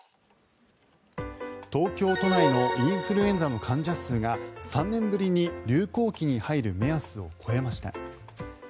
東京都内のインフルエンザの患者数が３年ぶりに流行期に入る目安を超えました。